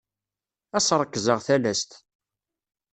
Ad as-ṛekzeɣ talast.